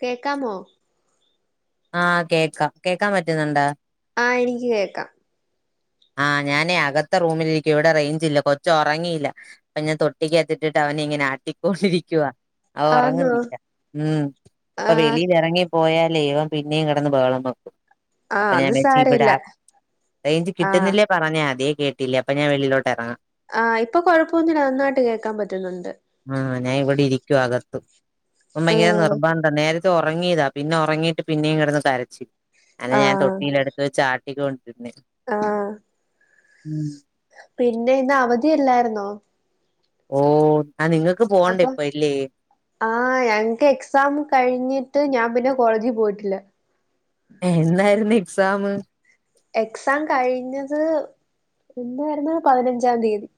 കേക്കാമോ? ആഹ് കേക്കാം കേൾക്കാൻ പറ്റുന്നുണ്ടോ? ആഹ് എനിക്ക് കേക്കാം ആഹ് ഞാനേ അകത്തെ റൂമിലിരിക്ക. ഇവിടെ റേഞ്ച് ഇല്ല കൊച്ച് ഉറങ്ങിയില്ല. അപ്പൊ ഞാൻ തൊട്ടിക്കകത്തിട്ടിട്ട് അവനി ങ്ങനാട്ടിക്കൊണ്ടിരിക്കുവ അഹ് ആന്നോ ഉറങ്ങുന്നില്ല ഉം അപ്പൊ ആഹ് വെളിയിലി റങ്ങിപ്പോയാലേ ഇവ പിന്നേം കിടന്ന് ബഹളം വെയ്ക്കും ആഹ് അപ്പൊ ഞാൻ അത് വിചാരിച്ച് ഇവിടെ സാരമില്ല ആഹ് റേഞ്ച് ആഹ് കിട്ടുന്നില്ലേ പറഞാതി കേട്ടില്ലേ അപ്പ ഞാൻ വെളിയിലോട്ട് എറങ്ങാം ആഹ് ഇപ്പൊ കൊഴപ്പോന്നുമില്ല നന്നായിട്ട് കേൾക്കാൻ പറ്റുന്നുണ്ട് ഓം ഭയങ്കര ആഹ് നിർബന്ധം നേരത്തെ ഉറങ്ങിയതാ. പിന്നെ ഉറങ്ങീട്ട് പിന്നെയും കിടന്ന് കരച്ചിൽ അങ്‌നെ ഞാൻ ആഹ് തൊട്ടിയിലെടുത്ത് വെച്ച് ആട്ടി കൊൻ ആഹ് ഉം പിന്നെ ഇന്ന് അവധില്ലായിരുന്നോ? ഓഹ് അപ്പം ആഹ് ഞങക്ക് എക്സാം കഴിഞ്ഞിട്ട് ഞാൻ പിന്നെ കോളേജി പോയിട്ടില്ല എന്നായിരുന്നു എക്സാമ് എക്സാം കഴിഞ്ഞത് എന്നായിരുന്നു പതിനഞ്ചാം തീയതി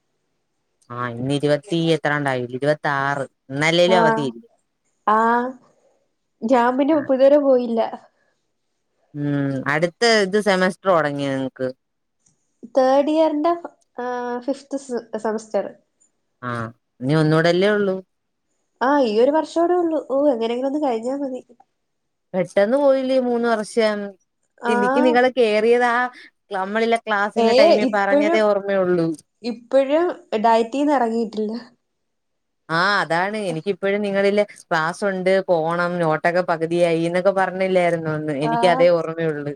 ആഹ് ഇന്ന് ഇരുപത്തി എത്രാണ്ടായി ഇരുപത്തി ആറ് ഇന്നല്ലേലും ആ അവധിയില്ലേ ആ ഞാൻ പിന്നെയിപ്പതുവരെ പോയില്ല ഉം അടുത്ത ഇത് സെമസ്റ്റർ തൊടങ്ങിയ നിങ്ങക്ക് തേർഡ് ഇയറിന്റെ ഫിഫ്ത് സെമസ്റ്റർ ആ ഇനി ഒന്നൂടല്ലേ ഒള്ളൂ ആ ഈ ഒരു വർഷോടെ ഉള്ളൂ ഓ എങ്ങനെ എങ്കിലും ഒന്ന് കഴിഞ്ഞാൽ മതി പെട്ടെന്ന് പോയില്ലേ മൂന്ന് വർഷം എനിക്ക് ആഹ് നിങ്ങള് കേറിയതാ നമ്മളില്ലെ ക്ലാസിന്റെ ടൈമിൽ പറഞ്ഞതേ ഓർമ്മയുള്ളു ഇപ്പോഴും ഡയറ്റീന്ന് ഇറങ്ങിയിട്ടില്ല ആ അതാണ് എനിക്കിപ്പോഴും നിങ്ങളില്ലേ ക്ലാസ്സുണ്ട് പോണം നോട്ടൊക്കെ പകുതിയായി എന്നൊക്കെ പറഞ്ഞില്ലായി എനിക്ക് ആഹ് അതേ ഓർമയുള്ള്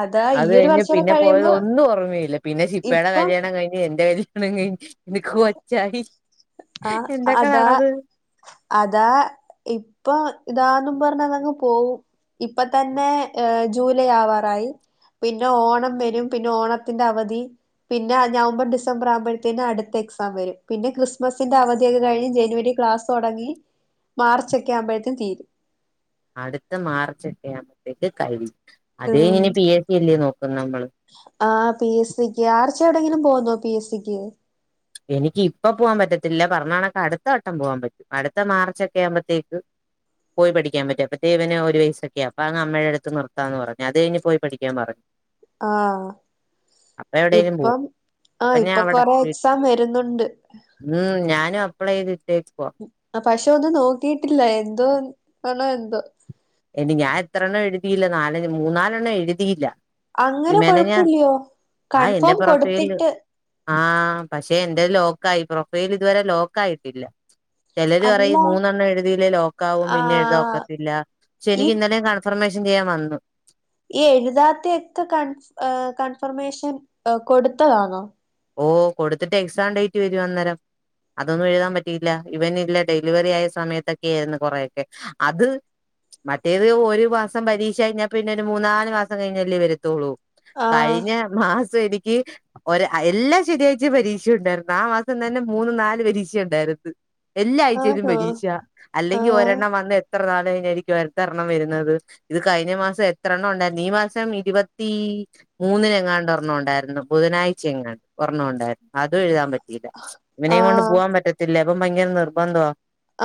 അതാ ഈ അത് ഒരു കഴിഞ്ഞ് വർഷൂടെ പിന്നെ പോയത് കഴിയുമ്പോ ഒന്നും ഓർമ്മയില്ല പിന്നെ ശിൽപ്പയുടെ ഇപ്പം കല്യാണം കഴിഞ്ഞ് എന്റെ കല്യാ ഞ്ഞ് എനിക്ക് കൊച്ചായി ആ എന്തൊക്കെ അതാ നടന്ന് അതാ ഇപ്പൊ ഇതാന്ന് പറഞ്ഞതങ്ങ് പോവും ഇപ്പ തന്നെ ജൂലൈ ആവാറായി പിന്നെ ഓണം വരും പിന്നെ ഓണത്തിന്റെ അവധി പിന്നെ നവംബർ ഡിസംബർ ആവുമ്പോഴത്തേന് അടുത്ത എക്സാം വരും പിന്നെ ക്രിസ് ക്രിസ്മസിന്റെ അവധിയൊക്കെ കഴിഞ്ഞ് ജനുവരി ക്ലാസ് തുടങ്ങി മാർച്ച് ഒക്കെ ആവുമ്പോഴത്തും തീരും അടുത്ത മാർച്ച് എട്ടേ ആകുമ്പത്തേക്ക് കഴി അത് കഴിഞ്ഞ് ഇനി പി എസ് സി അല്ലേ നോക്ക ആ പി എസ് സിക്ക് ആർച്ച എവിടെങ്കിലും പോന്നോ പി എസ് സിക്ക് എനിക്ക് ഇപ്പ പോവാൻ പറ്റത്തില്ല പറഞ്ഞ കണക്ക് അടുത്ത വട്ടം പോവാൻ പറ്റും അടുത്ത മാർച്ച് ഒക്കെ ആവുമ്പോഴത്തേക്ക് പോയി പഠിക്കാൻ പറ്റും അപ്പത്തെ ഇവന് ഒരു വയസ്സൊക്കെആവും അപ്പ അങ്ങ് അമ്മയുടെ അടുത്ത് നിർത്താന്ന് പറഞ്ഞ് അത് കഴിഞ്ഞ് പോയി പഠിക്കാൻ പറഞ്ഞു ആഹ് അപ്പൊ എവിടേലും പോവും ഇപ്പം അപ്പൊ ആഹ് ഞാൻ ഇപ്പൊ അവിടെ കൊറെ വീട്ടിൽ എക്സാം വരുന്നുണ്ട് ഇപ്പളേത് പക്ഷെ ഒന്നും നോക്കിട്ടില്ല എന്തോ ആണോ എന്തോ അയ്‌ന് ഞാൻ എത്ര എണ്ണം എഴുതിയില്ല നാല് മൂന്നാലെണ്ണം എഴുതിയില്ല അങ്ങനെ മെനഞ്ഞാ കൊഴപ്പില്ലയോ കൺഫോം കൊടുത്തിട്ട് ആപക്ഷെ എന്റെ ലോക്കായി പ്രൊഫൈൽ ഇതുവരെ ലോക്ക് ആയിട്ടില്ല ചിലര് അല്ല പറയും മൂന്നെണ്ണം എഴുതിയില്ലേ ലോക്കാവും പിന്നെ ആഹ് എഴുതോക്കത്തില്ല പക്ഷെ ഈ എനിക്ക് ഇന്നലെ കാ ൻഫർമേഷൻ ചെയ്യാൻ വന്നു ഈ എഴുതാത്തയക്കെ കൺഫ കൺഫർമേഷൻ കൊടുത്തതാന്നോ ഓഹ് കൊടുത്തിട്ട് എക്സാം ഡേറ്റ് വരും അന്നേരം അതൊന്നും എഴുതാൻ പറ്റിയില്ല ഇവൻ ഇല്ല ഡെലിവറി ആയ സമയത്തൊക്കൊയിരുന്നു കൊറെയൊക്കെ അത് മറ്റേത് ഒരു മാസം പരീക്ഷ കഴിഞ്ഞാ പിന്നെ ഒരു മൂന്നാല് മാസം കഴിഞ്ഞല്ലേ വരത്തുള്ളൂ ആഹ് കഴിഞ്ഞ മാസം എനിക്ക് ഒര എല്ലാ ശനിയാഴ്ച പരീക്ഷ ഉണ്ടായിരുന്നു ആ മാസം തന്നെ മൂന്ന് നാല് പരീക്ഷ ഉണ്ടായിരുന്നു എല്ലാ ആഴ്ചയിലും ആണോ പരീക്ഷ അല്ലെങ്കിൽ ആഹ് ഒരെണ്ണം വന്ന് എത്ര നാള് കഴിഞ്ഞായിരിക്കും അടുത്തയൊരെണ്ണം വരുന്നത് ഇത് കഴിഞ്ഞ മാസം എത്ര എണ്ണം ഉണ്ടായിരുന്നു ഈ മാസം ഇരുപത്തി മൂന്നിനെങ്ങാണ്ട് ഒരെണ്ണോണ്ടായിരുന്നു ബുധനാഴ് ച്ചയെങ്കാണ്ട് ഒരെണ്ണം ഉണ്ടായിരുന്നു അതും എഴുതൻ പറ്റിയില്ല ഇവനെയും കൊണ്ട് ആഹ് പോകാൻ പറ്റത്തില്ല ഇപ്പ ഭയങ്കര നിർബന്ധാ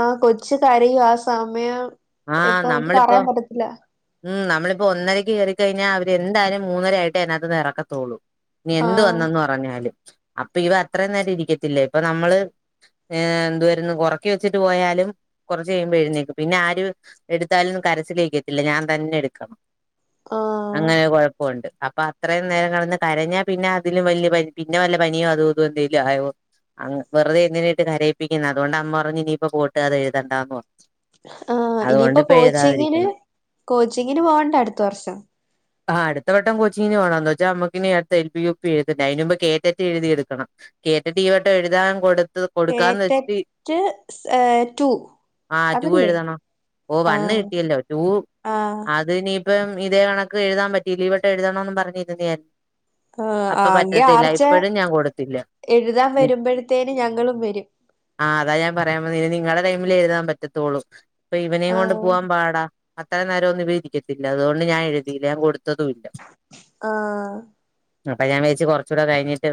ആഹ് കൊച്ചു കരയും ആ സമയം ആഹ് ഇപ്പൊ നമക്ക് നമ്മളിപ്പോ പറയാൻ പറ്റത്തില്ല ഉം നമ്മളിപ്പോ ഒന്നരയ്ക്ക് കയറിക്കഴിഞ്ഞാൽ അവര് എന്തായാലും മൂന്നര ആയിട്ട് അതിനകത്ത്ന്ന് ഇറക്കത്തോളൂ [unintelligible] ആഹ് വന്നന്ന് പറഞ്ഞാലും അപ്പൊ ഇവ അത്രെ നേരം ഇരിക്കത്തില്ല ഇപ്പൊ നമ്മള് എന്തുവാരുന്നു ഒറക്കിവെച്ചിട്ട് പോയാലും കുറച്ച് കഴിയുമ്പോ എഴുന്നേക്കും പിന്നെ ആര് എടുത്താലും കരച്ചിലക്കിത്തില്ല ഞാൻ തന്നെ എടുക്കണം ആഹ് അങ്ങനെ കുഴപ്പോണ്ട് അപ്പൊ അത്രയും നേരം കിടന്ന് കരഞ്ഞാ പിന്നെ അതിലും വലിയ പിന്നെ വല്ല പനിയോ അതോ ഇതോ എന്തേലും ആവോ വെറുതെ എന്തിനായിട്ട് കരയിപ്പിക്കുന്ന അതുകൊണ്ട് അമ്മ പറഞ്ഞു ഇനിപ്പോ പോട്ട് അത് എഴുതണ്ടന്ന് പറഞ്ഞ് ആ ഇനിയിപ്പോ കോച്ചിങ്ങിന് കോച്ചിങ്ങിന് പോകണ്ടേ അടുത്ത വർഷം ആ അടുത്ത വട്ടം കൊച്ചിങ്ങിന് പോണം ന്തു വച്ചാ നമ്മക്ക് ഇനി അട്ത്ത എൽ പി യു പി അയിന് മുമ്പ് കേറ്റട്ട് എഴുതി എടുക്കണം കേറ്റട്ട് ഈവട്ടം എഴുതാൻ കൊടു ത്ത് കൊടുക്കാന്ന് വെച്ചിട്ട് തേറ്ററ്റ് ടു ആ റ്റൂ അതല്ലേ എഴുതണം ഓ വണ് ആഹ് കിട്ടിയല്ലോ റ്റൂ ആഹ് അതിനി ഇപ്പം ഇതേ കണക്ക് എഴുതാൻ പറ്റിയില്ല ഇവ ട്ടം എഴുതണന്ന് പറഞ്ഞിരുന്ന ആ ആ അങ്കെ ആർച്ച കൊടുത്തില്ല എഴുതാൻ വരുമ്പോഴത്തേന ഞങ്ങളും വരും ആഹ് അതാ ഞാൻ പറയാൻ പോ ഇനി നിങ്ങളുടെ ടൈമിൽ എഴുതാൻ പറ്റത്തുള്ളൂ അപ്പൊ ഇവനേും കൊണ്ട് ആഹ് പോവാൻ പാടാ അത്ര നേരം ഒന്നും വനിരിക്കത്തില്ല അതുകൊണ്ട് ഞാൻ എഴുതില്ല ഞാ കൊടു ആ അപ്പൊ ഞാൻ വേച്ച് കൊറച്ചൂടെ കഴിഞ്ഞിട്ട്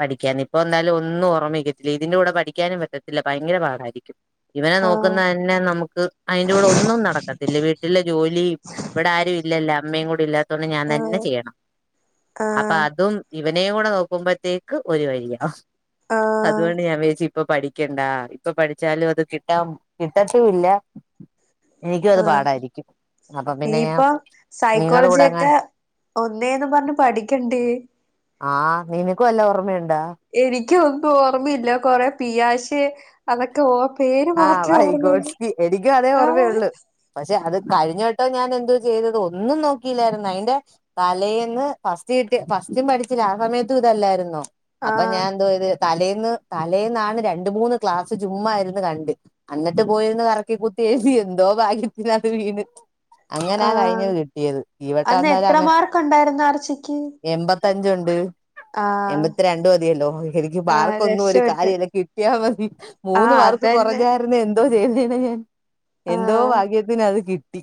പഠിക്കാൻ ഇപ്പൊ വന്നാലും ഒന്നും ഓർമ്മിക്കത്തില്ല ഇതിന്റെ കൂടെ പഠിക്കാനും പറ്റത്തില്ല ഭയങ്കര പാടായിരിക്കും ഇവനെ നോക്കുന്ന ആഹ് തന്നെ നമുക്ക് അതിന്റെകൂടെ ഒന്നും നടക്കത്തില്ല വീട്ടിലെ ജോലിയും ഇവിടെ ആരു ലല്ലോ അമ്മയും കൂടില്ലാത്തോണ്ട് ഇല്ലാത്ത ഞാൻ തന്നെ ആഹ് ചെയ്യണം അപ്പം ആഹ് അതും ഇവനേും കൂടെ നോക്കുമ്പോഴത്തേക്ക് ഒരു വരിയാ ആഹ് അതുകൊണ്ട് ഞാൻ വേച്ച് ഇപ്പൊ പഠിക്കണ്ടാ ഇപ്പൊ പഠിച്ചാലും അത് കിട്ടാ കിട്ടത്തുല്ലാ ആ പിന്നെ ഇനിയിപ്പ ഞാൻ നിങ്ങളുടെ സൈക്കോളജി കൂടെ അങ്ങാൻ ഒക്കെ ഒന്നേന്ന് പറഞ്ഞ് പഠിക്കണ്ടേ ആ നിനക്കും വല്ല ഓർമ്മയുണ്ടാ എനിക്കൊന്നും ഓർമ്മയില്ല കൊറെേ പിയാഷ് അതൊക്കെ ഓ പേര് ആഹ് മാത്രമേ ഓർമ്മയുള്ളൂ വൈകോട്ടി എനിക്ക് അതേ ഓർമയൊള്ളു ആഹ് പക്ഷെ അത് കഴിഞ്ഞവട്ടം ഞാൻ എന്തോ ചെയ്തത് ഒന്നും നോക്കിയില്ലായിരുന്നു അയിന്റെ തലേന്ന് ഫസ്റ്റ് കിട്ടി സത്യം പഠിച്ചില്ല ആ സമയത്തും ഇതല്ലായിരുന്നോ അപ്പൊ ആഹ് ഞാൻ എന്തോയത് തലേന്ന് തലേന്നാണ് രണ്ട് മൂന്ന് ക്ലാസ് ചുമ്മാ ഇര്ന്ന് ക ണ്ട് അന്നിട്ട് പോയിരന്ന് കറക്കി കുത്തി എഴതി എന്തോ ഭാഗ്യത്തിന് അത് വീണ് അങ്ങനാ കഴിഞ്ഞ് ആഹ് കിട്ടിയത് അന്ന് ഇവട്ടന്നാലും എത്ര അങ്ങനെ മാർക്ക് ഉണ്ടായിരുന്നു എമ്പ ത്തഞ്ചുണ്ട് ആ എൺമ്പത്തിരണ്ട് മതിയല്ലോ എനിക്ക് മാർക്കൊന്നും ഒരു രക്ഷപ്പെട്ട് കാര്യല്ല കിട്ടിയാൽ മതി മൂന്ന് ആഹ് മാർക്ക് അതന്നെ കുറഞ്ഞായിരുന്നു എന്തോ ചെയ്തേനെ ഞാൻ എന്തോ ആഹ് ഭാഗ്യത്തിന് അത് കിട്ടി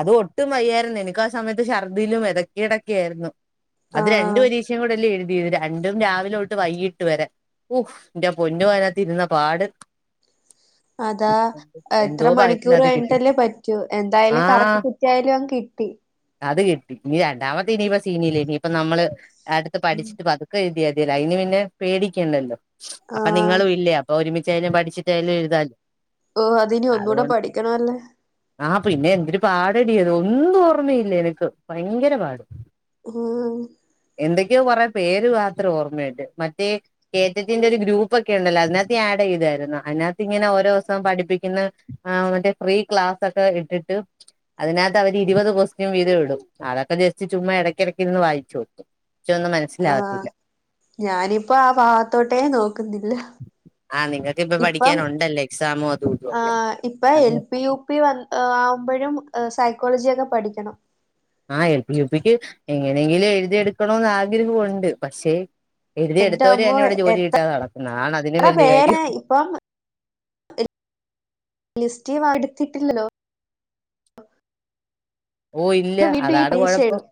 അത് ഒട്ടും വയ്യായിരുന്നു എനക്ക് ആ സമയത്ത് ഛർദ്ദിയിലും ഇടക്കെ ഇടക്കെ ആയിരുന്നു അത് രണ്ട് ആഹ് പരീക്ഷയും കൂടെല്ലാം എഴുതി രണ്ടും രാവിലും തൊട്ട് വൈകിട്ട് വരെ ഉഫും എന്റെ പൊന്നു അയിനകത്തിരുന്ന പാട് അതാ എത്ര എന്തോ ഭാഗ്യത്തിന് മണിക്കൂർ അത് കിട്ടി കഴിഞ്ഞിട്ടല്ലേ പറ്റൂ എന്തായാലും കറക്കി ആഹ് കുത്തിയായാലും അങ്ങ് കി ട്ടി അത് കിട്ടി ഇനി രണ്ടാമത്തെ ഇനിയിപ്പ സീനല്ലേ ഇനിയിപ്പ നമ്മള് അടുത്ത് പഠിച്ചിട്ട് പതുക്കെ എഴതിയാതി ഇല്ല അതിന് പിന്നെ പേടിക്കണ്ടല്ലോ അപ്പൊ ആഹ് നിങ്ങളും ഇല്ലേ അപ്പൊ ഒരുമിച്ചായാലും പഠിച്ചിട്ടായാലും എഴുതാലോ ഓഹ് അതിനി ഒന്നൂടെ അതൊണ്ട് പഠിക്കണമല്ലേ ആ പിന്നെ എന്തൊരു പാട റെഡി [unintelligible] ഒന്നും ഓർമ്മയില്ല എനിക്ക് ഭയങ്കരപാട് ആ എന്തൊക്കെയോ കുറെ പേര് മാത്രം ഓർമ്മയിണ്ട് മറ്റേ കറ്ററ്റീന്റെ ഒരു ഗ്രൂപ്പ് ഒക്കെ ഉണ്ടല്ലോ അതിനകത്ത് ആഡ് ചെയ്തായിരുന്നോ അതിനകത്ത് ഇങ്ങനെ ഓരോ ദിവസവും പഠിപ്പിക്കുന്ന മറ്റേ ഫ്രീ ക്ലാസ് ഒക്കെ ഇട്ടിട്ട് അതിന കത്ത് അവരിരുപത് കൊസ്റ്റ്യൻ വീതം ഇടും അതൊക്കെ ജസ്റ്റ് ചുമ്മാ ഇടയ്ക്കിടയ്ക്ക് നിന്ന് വായിച്ചു നോക്കും പക്ഷെ ഒന്നും ആ മനസ്സിലാവത്തില്ല ഞാനിപ്പോ ആ ഭാഗത്തോട്ടേ നോക്കുന്നില്ല നിങ്ങൾക്ക് ഇപ്പ പഠിക്കാനുണ്ടല്ലോ എക്സാം ആ ഇപ്പ എൽ പി യു പി വ ആവുമ്പോഴും സൈകോളേജിയൊക്കെ പഠിക്കണം ആ എൽ പി യുപിക്ക് എങ്ങനെങ്കിലും എഴുതിയെടുക്കണോന്ന് ആഗ്രഹമുണ്ട് പക്ഷേ എഴുതിയ എന്റെ എടുത്തവര് അമ്മോ എന്നെ ഇവിടെ ജോലി കിട്ടാതെ നടക്കുന്ന ആണ് അതിനും എത്ര വല്യ കാര്യം പേരെ ഇപ്പം ലിസ്റ്റ് വടുത്തിട്ടില്ലല്ലോ ഓ ഇല്ല അതാണ് കൊഴപ്പം എഴുതും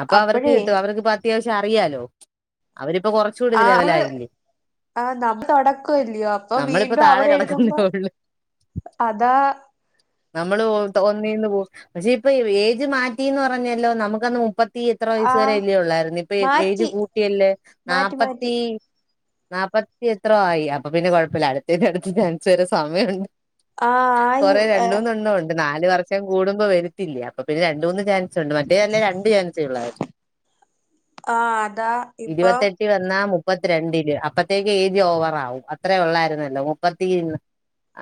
അപ്പൊ അവർക്ക് അപ്പോഴേ കിട്ടും അവർക്ക് ഇപ്പ അത്യാവശ്യം അറിയാലോ അവര് ഇപ്പൊ കുറച്ച കൂടി ലെവല ആയില്ലേ ആഹ നമ്മള്ടക്കല്ലയോ അപ്പൊ നമ്മളിപ്പോ വീണ്ടും താഴെ അവരെ കിടക്കുന്നേ എഴുതുമ്പോ ഉള്ളു അതാ നമ്മള് തോ ഒന്നീന്ന് പോ പക്ഷെ ഇപ്പൊ ഏജ് മാറ്റിന്ന് പറഞ്ഞല്ലോ നമുക്കന്ന് ത്തി എത്ര വയസ് വരെ ആഹ് അല്ലേ ഉള്ളായിരുന്നു ഇപ്പൊ ഏജ് മാറ്റി കൂട്ടിയല്ലേ മാറ്റി മാറ്റി നാപ്പത്തി നാൽപ്പത്തി എത്രോ ആയി അപ്പൊ പിന്നെ കുഴപ്പമില്ല അടുത്തന്റെ അടുത്ത് ചാൻസ് വരെ സമയമുണ്ട് ആഹ് ആയി കൊറെ രണ്ടൂന്ന് എണ്ണ ഉണ്ട് നാല് വർഷം കൂടുമ്പോ വരത്തില്ലേ അപ്പൊ പിന്നെ രണ്ട മൂന്ന് ചാൻസ് ഉണ്ട് മറ്റേ നല്ല രണ്ട് ചാൻസ് ആഹ് അതാ ഇപ്പം ഇരുപത്തെട്ട് വന്ന ആ മുപ്പത്തിരണ്ടില് അപ്പത്തേക്ക് ഏജ് ഓവറ ആകും അത്രയ ഉള്ളായിരുന്നല്ലോ മുപ്പത്തി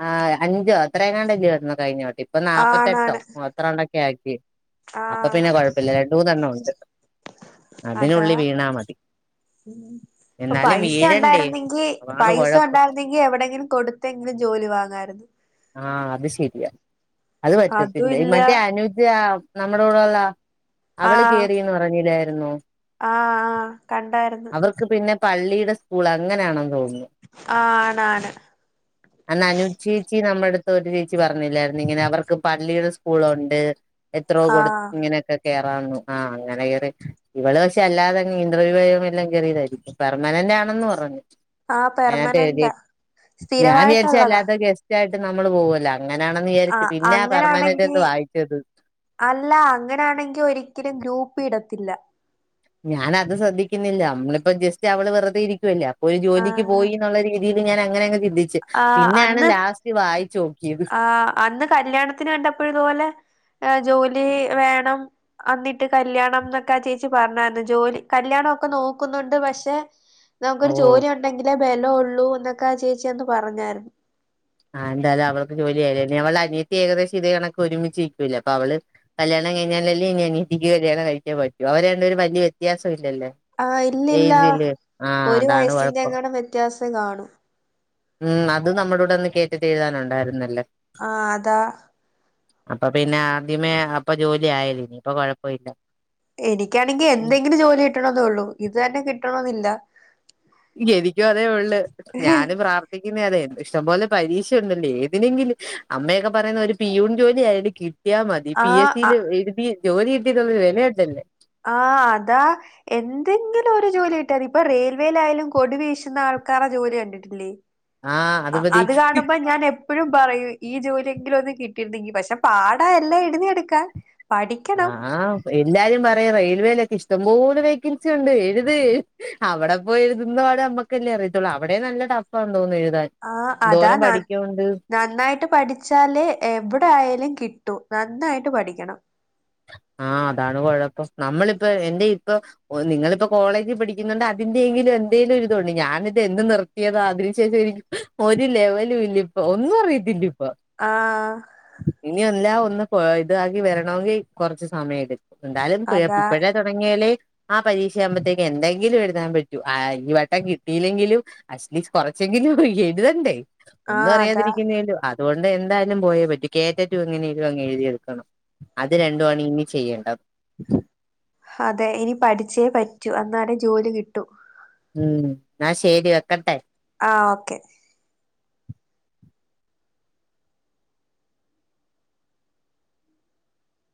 ആ അഞ്ചോ അത്രയുംങ്ങാണ്ടല്ലോ വരുന്നോ കഴിഞ്ഞ ഇപ്പൊ നാല്പ്പത്തെ എട്ടോ ആണാണ് അത്ത റൗണ്ടൊക്കെ ആക്കി അപ്പൊ ആഹ് പിന്നെ കുഴപ്പമില്ല ര തന്നെ ഉണ്ട് അതാ അതിനുള്ളിൽ വീണാ മതി അപ്പ എന്നാലും പൈസ വീഴണ്ടേ ഉണ്ടായിരുന്നെങ്കി അതാണ് പൈസ കൊഴപ്പം ഉണ്ടായിരുന്നെങ്കി എവിടെങ്കിലും കൊടുത്തെങ്കിലും ജോലി വാങ്ങാമായിരുന്നു. ആ അത് ശരിയാ അത് അതും പറ്റത്തില്ല ഇല്ല മറ്റേ അനുജ നമ്മുടെ കൂടെള്ള അവള് കേറീന്ന് പറഞ്ഞില്ലായിരുന്നോ ആ ആ കണ്ടായിരുന്ന്. അവർക്ക് പിന്നെ പള്ളിയുടെ സ്കൂൾ അങ്ങനാണെന്ന് തോന്നുന്നു. ആഹ് ആണാണ് നമ്മടുത്ത് ഒരു ചേച്ചി പറഞ്ഞില്ലായിരുന്നു ഇങ്ങനെ അവർക്ക് പള്ളിയുടെ സ്കൂളുണ്ട്. എത്രോ കൊടു ആഹ് ഇങ്ങനെയൊക്കെ കേറാന്ന് ആഹ് അങ്ങനെ കേറി ഇവള് പക്ഷെ അല്ലാതെ ഇന്റർവ്യൂ എല്ലാം കേറിയതായിരിക്കും പെർമനൻ്റ് ന്റാണെന്ന് പറഞ്ഞു ആ അനാത്ത് എഴുതി പെർമനന്റാ ഞാൻ വിചാരിച്ച സ്ഥിരവായിട്ടുള്ളതാ അല്ലാത്ത ഗസ്റ്റ് യിട്ട് [unintelligible] നമ്മള് പോവല്ല അങ്ങനാണെന്ന് ആ വിചാരിച്ചു. പിന്നാ പെർമനന്റ് അങ്ങനാണെങ്കി എന്ന് വായിച്ചത്. അല്ല, അങ്ങനൊണെങ്കി ഒരിക്കലും ഗ്രൂപ്പ് ഇടത്തില്ല. ഞാനത് ശ്രദ്ധിക്കുന്നില്ല നമ്മളിപ്പ ജസ്റ്റ് അവള് വെറുതെ ഇരിക്കുവല്ലേ അപ്പൊ ഒരു ആ ജോലിക്ക് പോയി എന്നുള്ള രീതി രീതി ഞാൻ അങ്ങനെ അങ് ചിന്തിച്ച്, ആ പിന്നെയാണ് അന്ന് ലാസ്റ്റ് വായിച്ചോ- ആ അന്ന് കല്യാണത്തിന് കണ്ടപ്പോഴതുപോലെ ജോലി വേണം. അന്നിട്ട് കല്യാണം എന്നൊക്കെ ചേച്ചി പറഞ്ഞായിരുന്നു ജോലി കല്യാണക്കെ നോക്കുന്നുണ്ട് പക്ഷെ നമുക്കൊരു ഓ ജോലി ഉണ്ടെങ്കിലേ ബലം ഉള്ളൂ എന്നൊക്കെ ചേച്ചി അന്ന് പറഞ്ഞായിരുന്നു ആഹ് എന്തായാലും അവൾക്ക് ജോലിയായിലെ അവൾ അനിയത്തി ഏകദേശം ഇതേ കണക്ക് ഒരുമിച്ച് നിക്കല്ലേ അപ്പൊ അവള് കല്യാണ കഴിഞ്ഞാലല്ലേ അനിയത്തിക്ക് കല്യാണം കഴിക്കാൻ പറ്റൂ. അവർ രണ്ടുപേരും വല്യ വ്യത്യാസം- ഇല്ലല്ലേ ആഹ് ഇല്ലില്ല ഏജില് ആഹ് ഒരു അതാണ് വയസിന്റെ കുഴപ്പം എങ്ങാണ്ട് വ്യത്യാസം കാണും ഉം അത് നമ്മുടൂടെ ഒന്ന് കേറ്റെറ്റ് എഴുതാനുണ്ടായിരുന്നല്ലോ ആ അതാ അപ്പൊ പിന്നെ ആദ്യമേ അപ്പൊ ജോലി ആയാല ഇനി ഇപ്പ കൊഴപ്പല്ല എനിക്കാണെങ്കി എന്തെങ്കിലും ജോലി കിട്ടണ എന്നള്ളൂ, ഇത് തന്നെ കിട്ടണെന്നില്ല. എനിക്കും അതേ ഉള്ളു ഞാനും പ്രാർത്ഥിക്കുന്ന അതെന്നെ. ഇഷ്ടംപോലെ പരീക്ഷയ ഉണ്ടല്ലോ ഏതിനെങ്കിലും അമ്മയൊക്കെ പറയുന്ന ഒരു പിയൂൺ ജോലി ആയാലും കിട്ടിയ മതി ആ പി എസ് ആ സിൽ എഴുതി ജോലി കിട്ടിയ വിലയുണ്ടല്ലെ ആഹ് അതാ എന്തെങ്കിലും ഒരു ജോലി കിട്ട്യാമതി ഇപ്പൊ റെയിൽവേൽ ആയാലും കൊടിവീശുന്ന ആള ക്കാരെ [unintelligible] ജോലി കണ്ടിട്ടില്ലേ? ആഹ് മതി അത് കാണുമ്പോ ഞാൻ എപ്പോഴും പറയും ഈ ജോലിയെങ്കിലും ഒന്ന് കിട്ടി യിരുന്നെങ്കി പക്ഷെ പാടാ എല്ലാം എഴുതി എടുക്കാൻ. ആ എല്ലാരും പറയും റെയിൽവേയിലൊക്കെ ഇഷ്ടം ഇഷ്ട്ടം വേക്കൻസി ഉണ്ട് എഴുത് അവടെ പോയി എഴുതുന്ന പാട് നമ്മക്കല്ലേ അറിയത്തുള്ളൂ അവടെ നല്ല ടപ്പം തോന്നും എഴുത ആ അതാ നന്നായിട്ട് പഠിച്ചാല് എവിടെ ആയാലും കിട്ടൂ നന്നായിട്ട് പഠിക്കണം. [inaudible] ആ അതാണ് കോഴപ്പം നമ്മളിപ്പ എന്റെ ഇപ്പൊ നിങ്ങളിപ്പോ കോളേജിൽ പഠിക്കുന്നുണ്ട് അതിന്റെങ്കിലും. എന്തേലും ഇരിതോണ്ടി ഞാനിത് എന്ന് നിർത്തിയതാ അതിനു ശേഷം ഒരു ലെവലും ഇല്ല ഇപ്പൊ ഒന്നും അറിയത്തില്ല. ആ ഇനി എല്ലാ ഒന്ന് പോ ഇതാക്കി വരണങ്കി കൊറച്ച് സമയടുക്കു എന്തായാലും അതാ ഇപ്പഴ തുടങ്ങിയാലെ ആ പരീക്ഷ ആകുമ്പോഴത്തേക്ക് എന്തെങ്കിലും എഴുതാൻ പറ്റൂ. ആ ഈ വട്ടം കിട്ടിയിെങ്കിലും അറ്റ്ലീസ്റ്റ് കുറച്ചു എഴുതണ്ടേ ആ ഒന്നും അതാ അറിയാതിരിക്കുന്ന അതോ- എന്തായാലും പോയേ പറ്റു കേറ്ററ്റും എങ്ങനെയും അങ് എഴുതിയടുക്കണം. ഇത് രണ്ടു ആണ് ഇനി ചെയ്യേണ്ടത്. അതെ ഇനി പഠിച്ചേ പറ്റൂ... അന്നാല ജോലി കിട്ടു... ഉം ശരി വെക്കട്ടെ. ആഹ് ഓക്കെ